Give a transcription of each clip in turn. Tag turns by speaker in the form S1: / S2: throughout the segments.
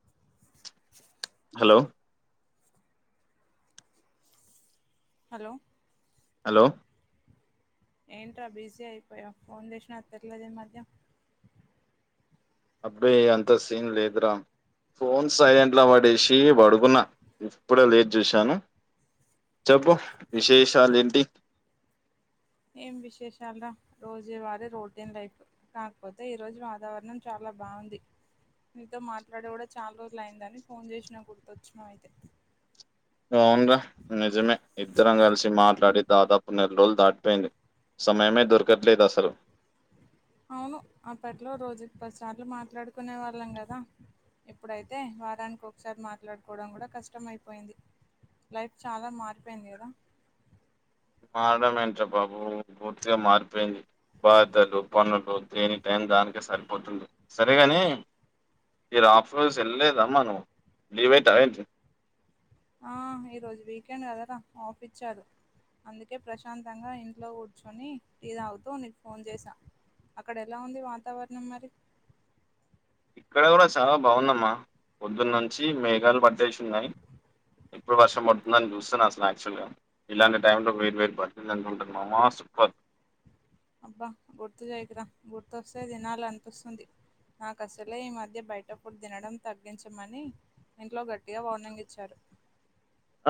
S1: ఎ
S2: hello
S1: hello
S2: hello
S1: ఏంట్రా busy అయిపోయావ్ phone చేసినా ఎత్తట్లేదు ఈ మధ్య
S2: అబ్బే అంత సీన్ లేదు రా ఫోన్ సైలెంట్ లా పడేసి పడుగున్నా ఇప్పుడే లేచి చూసాను చెప్పు విశేషాలు ఏంటి
S1: ఏం విశేషాలు రా రోజు వారే రోటీన్ లైఫ్ కాకపోతే ఈ రోజు వాతావరణం చాలా బావుంది నీతో మాట్లాడిగూడ చాలా రోజులు అయిందని ఫోన్ చేసినా గుర్తొచ్చినవు అయితే
S2: అవును రా నిజమే ఇద్దరం కలిసి మాట్లాడి దాదాప్ ఓ నెల రోజులు దాటిపోయింది సమయమే దొరకట్లేదు అస్సలు
S1: అవును అప్పట్లో రోజుకి పదిసార్లు మాట్లాడుకునే వాళ్ళం కదా ఇప్పుడైతే వారానికి ఒకసారి మాట్లాడుకోవడం కూడా కష్టం అయిపోయింది లైఫ్ చాలా మారిపోయింది కదా
S2: మారడం ఏంట్రా బాబు పూర్తిగా మార్ పోయింది బాధలు పనులు దేని టైం దానికే సరిపోతుంది సరే కాని మీరు ఆఫ్రోస్ వెళ్ళలేదమ్మా నువ్వు లీవ్ పెట్టావేంటి
S1: ఆహ్ ఈ రోజు వీకెండ్ కదరా ఆఫ్ ఇచ్చారు అందుకే ప్రశాంతంగా ఇంట్లో కూర్చొని టీ తాగుతూ నీకు ఫోన్ చేసా అక్కడ ఎలా ఉంది వాతావరణం మరి
S2: ఇక్కడ కూడా చాలా బాగుందమ్మా పొద్దున్నుంచి మేఘాలు పట్టేసి ఉన్నాయి ఎప్పుడు వర్షం పడుతుందని చూస్తున అసలు యాక్చువల్గా ఇలాంటి టైంలో వేడి వేడి బజ్జీలు తింటుంటే మామ సూప్పర్
S1: అబ్బా గుర్తు చేయకురా గుర్తొస్తే తినాల అనిపిస్సుంది నాకు అసలే ఈ మధ్య బయట ఫుడ్ తినడం తగ్గించమని ఇంట్లో గట్టిగా వార్నింగ్‌ ఇచ్చారు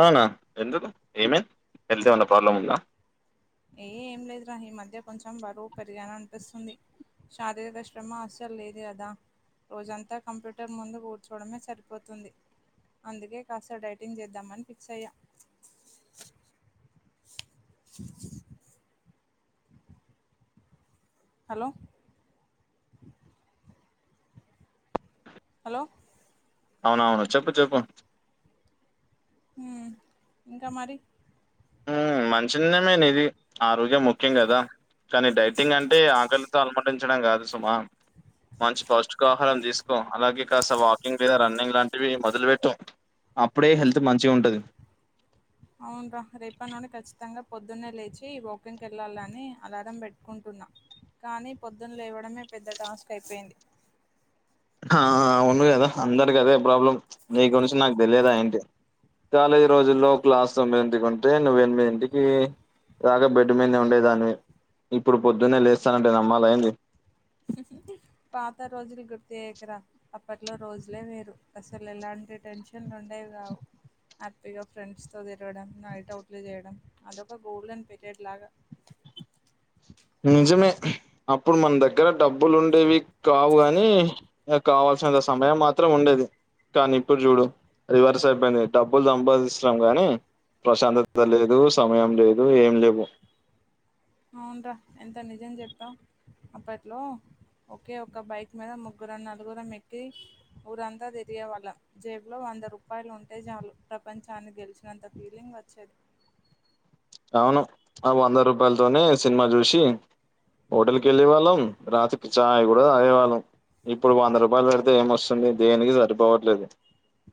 S2: అవునా ఎందుకు ఏమి హెల్త్ ఏమన్నా ప్రాబ్లం ఉందా
S1: ఏ ఏం లేదురా ఈ మధ్య కొంచెం బరువు పెరిగాననిపిస్సుంది శారీరక శ్రమ అస్సల్లేదు కదా రోజంతా కంప్యూటర్ ముందు కూర్చోడమే సరిపోతుంది అందుకే కాస్త డైటింగ్ చేద్దామని ఫిక్స్ అయ్యా హలో హలో
S2: అవును అవును చెప్పు చెప్పు
S1: హ్మ్ ఇంకా మరి
S2: హ్మ్ మంచినిర్నయమే నిది ఆరోగ్యం ముఖ్యం కదా కానీ డైటింగ్ అంటే ఆకలితో అలమటించడం కాదు సుమా మంచి పౌష్టికాహారం తీసుకో అలాగే కాస్త వాకింగ్ లేదా రన్నింగ్ లాంటివి మొదలు పెట్టు అప్పుడే హెల్త్ మంచిగ ఉంటది
S1: అవున్రా రేపట్నుంచి ఖచ్చితంగా పొద్దున్నే లేచి వాకింగ్ కెళ్ళాలని అలారం పెట్టుకుంటున్నా కానీ పొద్దున లేవడమే పెద్ద టాస్క్ అయిపోయింది
S2: ఆ అవును గదా అందరికి అదే ప్రాబ్లం నీ గురించి నాకు తెలియద ఏంటి కాలేజి రోజుల్లో క్లాసు తొమ్మిదింటికి ఉంటే నువ్వు ఎనిమిదింటికి దాక బెడ్ మీద్నే ఉండేదానివి ఇప్పుడు పొద్దున్నే లేస్తనంటే నమ్మాల ఎంది
S1: [unintelligible] పాత రోజులు గుర్తుచేయకుర అప్పట్లో రోజులే వేరు అసలు ఎలాంటి టెన్ష్ షన్ లుండేవి గావు హ్యాపీగ ఫ్రెండ్స్ తో తిరగడం నైట్ అవుట్లు చేయడం అదొక గోల్డెన్ పీరియడ్ లాగ
S2: నిజమే అప్పుడు మన్ దగ్గర డబ్బులు ఉండేవి కావు గనీ ఇగ కావాల్సినంత సమయం మాత్రం ఉండేది కాని ఇప్పుడు చూడు రివర్స్ అయిపోయింది డబ్బులు సంపాదిస్తున్నాం గానీ ప్రశాంతత లేదు, సమయం లేదు, ఏం లెవ్వు
S1: అవున్రా ఎంత నిజం చెప్పావ్ అప్పట్లో ఒకే ఒక్క బైక్ మీద ముగ్గురం నలుగురం ఎక్కి ఊరంత తిరిగేవాళ్ళం జేబు లో వంద రూపాయలు ఉంటే చాలు ప్రపంచాన్ని గెలిచినంత ఫీలింగ్ వచ్చేది
S2: అవును ఆ రూపాలతోనే సినిమా చూసి హోటల్కి వెళ్ళే వాళ్ళం రాత్ చాయ్ కూడ తాగేవాళ్ళం ఇప్పుడు వంద రూపాయలు పెడితే ఏమ్ వస్తుంది దేనికి సరిపోవట్లేదు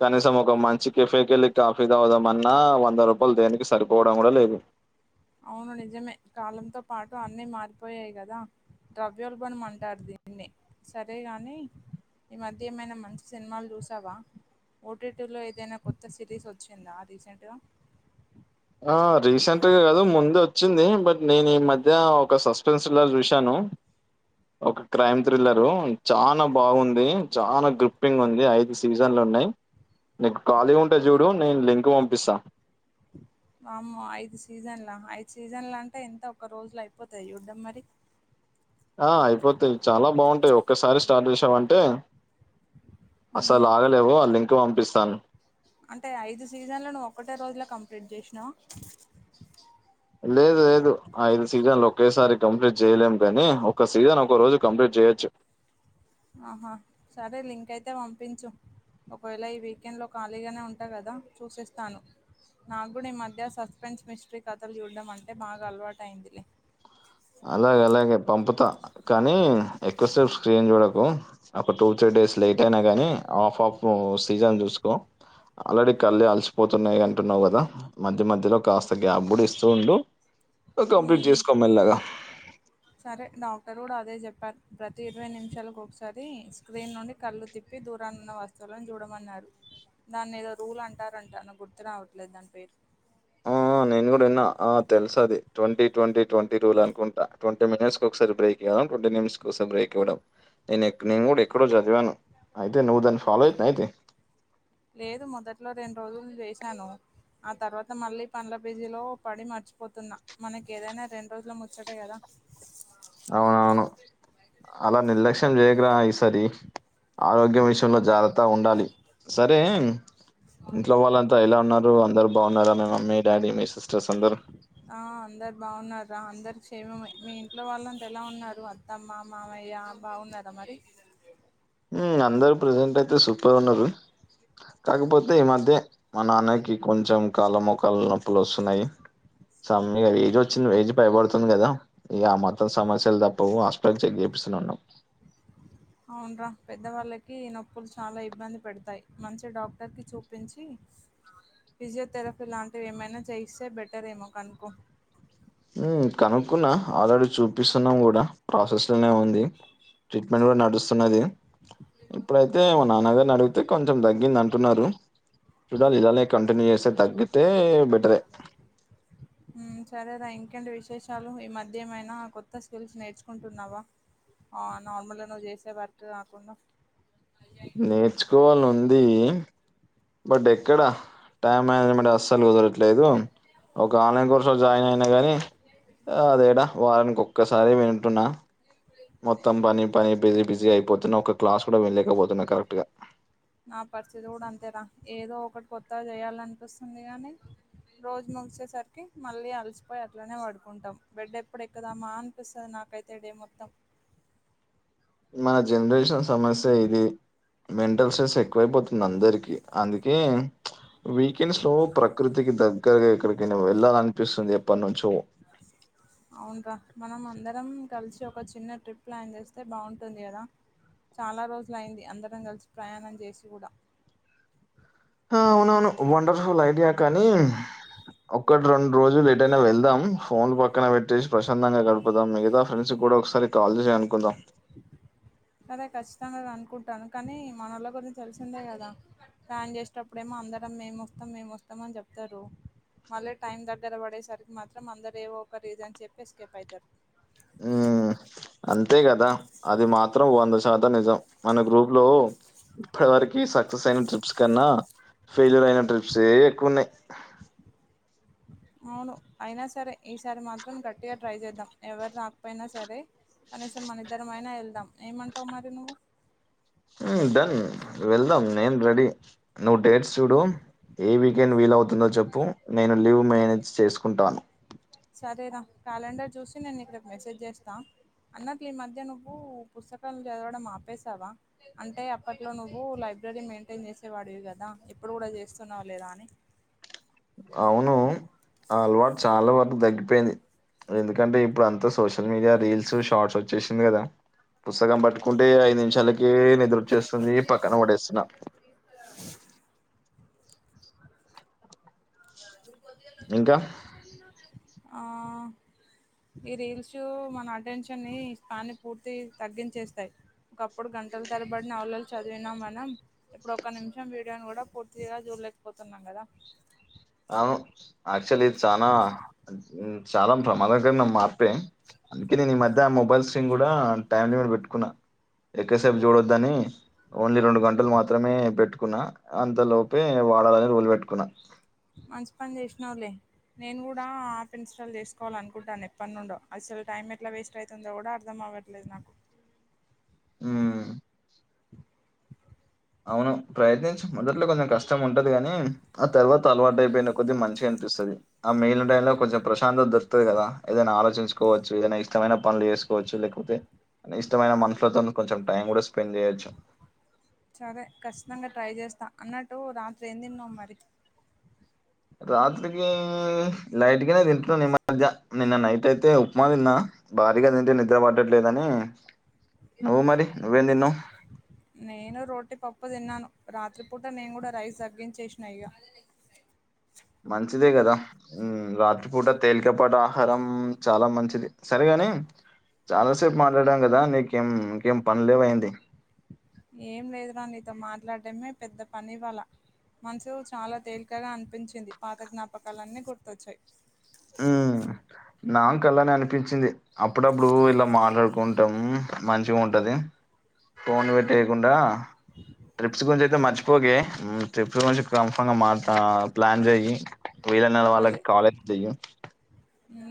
S2: కనీసం ఒక మంచి కెఫే కెళ్ళి కాఫీ తాగుదామన్నా వంద రూపాయలు దేనికి సరిపోవడం కూడా లేదు
S1: అవును నిజమే కాలంతో పాటు అన్నీ మారిపోయాయి కదా ద్రవ్యోల్బనమంటారు దీన్నే సరే గాని ఈ మధ్య ఏమైనా మంచి సినిమాలు చూసావా ఓ టీ టి లో ఏదైనా కొత్త సిరీస్ వచ్చిందా రీసెంట్గా
S2: అ రీసెంట్ గ కాదు ముందే వచ్చింది బట్ నేను ఈ మధ్య ఒక సస్పెన్స్ థ్రిల్లర్ చూసాను ఒక క్రైమ్ థ్రిల్లరు చానా బావుంది చానా గ్రిప్పింగ్ ఉంది అయి దు సీజన్లు ఉన్నయి నీకు ఖాళీగా ఉంటే చూడు నేను లింక్ పంపిస్తా
S1: వామ్మో ఐదు సీజన్ల, ఐదు సీజన్ల అంటే ఎంత ఒక రోజులో అయిపోతయ చూడ్డం మరి
S2: ఆ అయిపోతయి చాలా బావుంటయి ఒక్కసారి స్టార్ట్ చేసావంటే అసలు
S1: మ్మ్.
S2: ఆగలేవు ఆ లింక్ పంపిస్తాను
S1: అంటే ఐదు సీజన్లు నువ్వు ఒక్కటే రోజుల కంప్లీట్ చేసినవ
S2: లేదు లేదు ఐదు సీజన్లు ఒకేసారి కంప్లీట్ చేయలేము గనీ ఒక్క సీజన్ ఒకో రోజు కంప్లీట్ చేయొచ్చు
S1: ఆహా సరే లింక్ అయితే పంపించు ఒకవేళ ఈ వీకెండ్ లో ఖాళీగనే ఉంటా కదా చూసేస్తాను నాగ్గుడ ఈ మధ్య సస్పెన్స్ మిస్టరీ కథలు చూడ్డం అంటే బాగ అలవాటయిందిలె
S2: అలాగే అలాగే పంపుతా కనీ ఎక్కువసేపు స్క్రీన్ చూడకు ఒక టూ త్రీ డేస్ లేట్ అయినా గనీ ఆఫ్ ఆఫ్ సీజన్ చూసుకో ఆల్రెడీ కళ్ళే అలసిపోతున్నయి అంటున్నవు గదా మధ్య మధ్యలొ కాస్త గ్యాప్ గుడ ఇస్తూ ఉండు కంప్లీట్
S1: మ్మ్
S2: చేసుకో మెల్లగా
S1: సరే డాక్టర్ గూడ అదే చెప్పారు ప్రతి ఇరవై నిమిషాలకు ఒకసారి స్క్రీన్ నుండి కళ్ళు తిప్ పి దూరానున్న వస్తువులను చూడమన్నారు దాన్ని ఏదో రూల్ అంటారంటా నాకు గుర్తు రావట్లేదు దాని పేరు
S2: ఆ నేను కూడా విన్నా ఆ తెలుసు అది ట్వంటీ ట్వంటీ ట్వంటీ రూలు అనుకుంటా ట్వంటీ మినిట్స్ కు ఒకసారి బేక్ ఇయ్యాలం ట్వంటీ మినిట్స్ కోసారి బ్రేక్ ఇవ్వడం నేనెక్ నేను కూడా ఎక్కడో చదివాను అయితే నువ్వు దాన్ని ఫాలో ఐతున్ అయితే
S1: లేదు మొదట్లో రెండు రోజులు జేసాను ఆ తర్వాత మళ్ళీ పనుల బీజీలో పడి మర్చిపోతున్నా మనకి ఏదైనా రెండు రోజుల ముచ్చటే కదా
S2: అవునవును అలా నిర్లక్ష్యం చెయ్యకురా ఈ సారి ఆరోగ్యం విషయంలో జాగ్రత్తగా ఉండాలి సరే ఇంట్లో వాళ్ళంతా ఎలా ఉన్నారు అందరూ బావున్నారా మీ మమ్మీ డాడీ మీ సిస్టర్స్ అందరూ
S1: ఆ అందరు బావూన్నారు రా అందరూ క్షేమమే మీ ఇంట్లో వాళ్ళంతా ఎలా ఉన్నారు అ త్తమ్మ మామయ్య బావున్నారా మరి
S2: ఉమ్ అందరూ ప్రెసెంట్ అయితే సూపర్ ఉన్నారు కాకపోతే ఈ మధ్యే మా నాన్నకి కొంచెం కాళ్ళ మొకాలు నొప్పులు వస్తున్నాయి సం ఇగ ఏజ్ వచ్చింది ఏజ్ పైబడుతుంది కదా ఇగ ఆ మాత్రం సమస్యలు తప్పవు హస్పల్ చెక్ చేపిస్తూనే ఉన్నాం
S1: అవునురా పెద్ద వాళ్ళకి నొప్పులు చాలా ఇబ్బంది పెడతాయి మంచి డాక్టర్ కి చూపించి ఫిజియోథెరఫీ లాంటివి ఏమైనా చేయిస్తే బెటర్ ఏమో కనుకో
S2: ఉమ్ కనుక్కున్నా ఆల్రెడీ చూపిస్తున్నాం కూడా ప్రాసెస్ లోనే ఉంది ట్రీట్మెంట్ కూడా నడుస్తున్నది ఇప్పుడైతే మా నాన్నగారిని అడుగుతే కొంచెం తగ్గిందం టున్నారు చూడాలి ఇలానే కంటిన్యూ చేస్తే తగ్గితే బెటరే
S1: ఉమ్ సరే రా ఇంకేంటి విశేషాలు ఈ మధ్య ఏమైనా కొత్త స్కిల్స్ నేర్చుకుంటున్నావా ఆ నార్మల్గా నువ్వు చేసే వర్క్ కాకుండా
S2: నేర్చుకోవాల ఉంది బట్ ఎక్కడ టైమ్ మనేజమెంట్ యస్ స్సలు కుదరట్లేదు ఒక ఆన్లైన్ కోర్సు లో జాయిన్ అయినా గానీ ఆ అదేడ వారానికి ఒక్కసారి వింటున్నా మొత్తం పని పని బిసీ బిసీ అయిపోతున్నా ఒక క్లాస్ కూడా వినలేకపోతున్నా కరెక్ట్ గా
S1: నా పరిస్థితి కూడా అంతే రా ఏదో ఒకటి కొత్తగా చెయ్యాలనిపిస్తుంది గానీ రోజు ముగిసేసరికి మళ్ళీ అలసిపోయి అట్లనే పడుకుంటాం బెడ్ ఎప్పుడు ఎక్కదామా అనిపిస్తుంది నాకై తే డే మొత్తం
S2: మన జనరేషన్ సమస్య ఇది మెంటల్ స్ట్రెస్ ఎక్కువైపోతు అందరికీ అందుకే వీకెండ్స్ లో ప్రకృతికి ద గ్గరగా ఎక్కడికైనా వెళ్ళాలి అనిపిస్తుంది ఎప్పటి నుంచో
S1: అవున్రా మనం అందరం కలిసి ఒక చిన్న ట్రిప్ ప్లాన్ చేస్తే బావుంటుంది కదా చాలా రోజులు అయ్యింది అందరం కలిసి ప్రయాణం చేసి కూడా
S2: హా అవునవును వండర్ఫుల్ ఐడియా కానీ ఒక్కటి రెండు రోజులు ఎటైనా వెళ్దాం ఫోన్లు పక్కన పెట్టేసి ప్రశాంతంగా గడుపు పుదాం మిగతా ఫ్రెండ్సు కు కూడా ఒకసారి కాల్ చేసి అనుకుందాం
S1: సరే ఖచ్చితంగా కనుక్కుంటాను కానీ మనోళ్ళ గురించి తెలిసిందే కదా ప్లాన్ చేసేటప్పుడు ఏమో అందరం మేం వస్తాం మేం వస్తాం అని చెప్తారు మళ్ళీ టైం దగ్గర పడేసరికి మాత్రం అందరు ఏవో ఒక రీజన్ చెప్పి ఎస్కేప్ అయితారు
S2: ఊ అంతే కదా అది మా బ్రో వంద శాతం నిజం మన గ్రూప్ లో ఇప్పటి వరకి సక్సెస్ అయిన ట్రిప్స్ కన్నా ఫెయిల్యూర్ అయిన ట్రిప్స్ ఏ ఎక్కువ ఉన్నాయి
S1: అవును అయినా సరే ఈసారి మాత్రం గట్టిగా ట్రై చేద్దాం ఎవరు రాకపోయినా సరే కనీసం మన ఇద్దరం అయినా వెళ్దాం ఏమంటావు మరి నువ్వు
S2: ఉమ్ డన్ వెళ్దాం నేను రెడీ నువ్వు డేట్స్ చూడు ఏ వీకెండ్ వీలవుతుందో చెప్పు నేను లీవ్ మేనేజ్ చేసుకుంటాను
S1: సరేరా క్యాలెండర్ చూసి నేను రేపు మెసేజ్ చేస్తా అన్నటు ఈ మధ్య నువ్వు పుస్తకాలను చదవడం ఆపేసావా అంటే అప్పట్లో నువ్వు లైబ్రరీ మెయింటైన్ చేసేవాడివి కదా ఇప్పుడు కూడా చేస్తున్నావ లేదా అని
S2: అవును ఆ అలవాటు చాలా వరకు తగ్గిపోయింది ఎందుకంటే ఇప్పుడు అంతా సోషల్ మీడియా రీల్స్ షార్ట్స్ వచ్చేసింది కదా పుస్తకం బట్టి పడుకుంటే ఐదు నిమిషాలకి నిద్ర వచ్చేస్తుంది పక్కన పడేస్తున్నా
S1: అలాగే రాదు
S2: ఇంకా
S1: ఆ ఈ రీల్స్ మన అటెన్షన్ ని స్థానిక పూర్తి తగ్గించేస్తాయి ఒకప్పుడు గంటల తరబడి నవలలు చదివినాం మనం ఇప్పుడు ఒక్క నిమిషం వీడియోని కూడా పూర్తిగా చూడలేకపోతున్నాం కదా
S2: అవు ఆక్చులీ ఇది చానా చాలా ప్రమాదంకర మైన మార్పే అందుకే నేను ఈ మధ్య ఆ మొబైల్ స్క్రీన్ కూడా టైమ్ లిమిట్ పెట్టుకున్నా ఎక్కసేపు చూడొద్దు అని ఓన్లీ రెండు గంటలు మాత్రమే పెట్టుకున్నా అంతలోపే వాడాలని రూల్ పెట్టుకున్నా
S1: మంచి పని చేసినావులే నేను కూడా యాప్ ఇన్స్టాల్ చేసుకోవాలి అనుకుంటాను ఎప్పటి నుండో అసలు టైం ఎట్లా వేస్ట్ అయితుందో కూడా అర్థం అవ్వదు లేదు నాకు
S2: ఉమ్ అవును ఇప్పుడు అయితే మొదట్లో కొంచెం కష్టం ఉంటాది కాని ఆ తర్వాత అలవాటు అయిపోయిన కొద్ది మంచిగా అనిపిస్తది ఆ మిగిలిన టైంలో కొంచెం ప్రశాంతత దొరుకుతాది కదా ఏదైన ఆలోచించుకోవచ్చు ఏదైనా ఇష్టమైన పనులు చేసుకో కోవచ్చు లేకపోతే ఇష్టమైన మనసుతోనే కొంచెం టైం కూడా స్పెండ్ చేయొచ్చు
S1: సరే ఖచ్చితంగా ట్రై చేస్తా అన్నట్టు రాత్రి ఏం తిన్నావు మరి
S2: రాత్రికి లైట్ గానే తింటున్నా ని మధ్య నిన్న నైట్ అయితే ఉప్మా తిన్నా భారీగా తింటే నిద్ర పడట్లేదని నువ్వు మరి నువ్వేం తిన్నావు
S1: నేను రోటీ పప్పు తిన్నాను రాత్రిపూట నేను కూడా రైస్ తాగించేసిన ఇగ
S2: మంచిదే కదా ఉమ్ రాత్రిపూట తేలికపాటి ఆహారం చాలా మంచిది సరేగాని చాలా సేపు మాట్లాడాం కదా నీకేం ఇంకేం పనులు లేవు ఏంటి
S1: ఏం లేదురా నీతో మాట్లాడడమే పెద్ద పని ఇవ్వాళ్ళ మనసు చాలా తేలికగా అనిపించింది పాత జ్ఞాపకాలన్నీ గుర్తొచ్చాయి
S2: ఉమ్ నాకు అలానే అనిపించింది అప్పుడప్పుడు ఇలా మాట్లాడుకుంటాం మంచిగా ఉంటది ఫోన్ పెట్టేయకుండా
S1: [inaudible]
S2: ట్రిప్స్ గురించి అయితే మర్చిపోకే ట్రిప్స్ గురించి కన్ఫర్మ్ గా ప్లాన్ చెయ్యి విలనవల కాల్ చేసి ఈవ్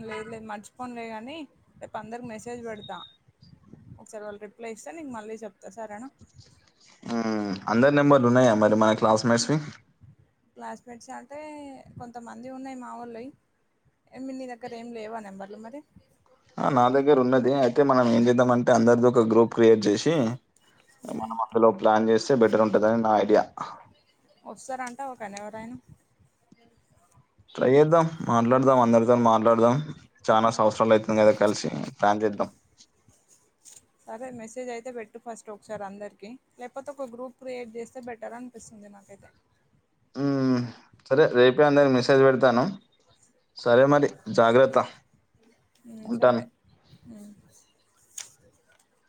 S1: లేదు లేదు మర్చిపోన్లేగానీ రేపు అందరికి మెసేజ్లు పెడతా ఒకసారి వాళ్ళు రిప్లై ఇస్తే నీకు మళ్ళీ చెప్తా సారేనా
S2: ఉహ్మ్ అందరి నెంబర్లు ఉన్నాయా మరి మన క్లాస్ మేట్స్వి
S1: క్లాస్మేట్స్ అంటే కొంతమంది ఉన్నాయి మా ఒళ్ళుయి ఏమి నీ దగ్గర ఏమి లేవా నెంబర్లు మరి
S2: ఆ నా దగ్గర ఉన్నది అయితే మనం ఏం చేద్దామంటే అందరిది ఒక గ్రూప్ క్రియేట్ జెసి మనం
S1: మ్మ్.
S2: అందులో ప్లాన్ చేస్తే బెటర్ ఉంటందని నా ఐడియా
S1: వస్తారంట ఒకన ఎవరైనా [unintelligible]
S2: ట్రై చేద్దాం మాట్లాడదాం అందరితో మాట్లాడదాం చానా సంవత్సరాలు అవుతుంది కదా కలిసి ప్లాన్ చేద్దాం
S1: సరే మెసేజ్ అయితే పెట్టు ఫస్ట్ ఒకసారి అందరికీ లేకపోతే ఒక గ్రూప్ క్రియేట్ చేస్తే బెటర్ అనిపిస్తుంది నాకైతే
S2: ఊ సరే రేపే అందరిక మెసేజ్ పెడతాను సరే మరి జాగ్రత్త ఉంటాను
S1: ఉమ్ [unintelligible]